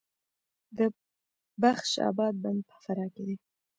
د بخش اباد بند په فراه کې دی